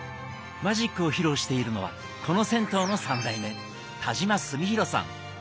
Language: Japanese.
マジックを披露しているのはこの銭湯の３代目田島純浩さん。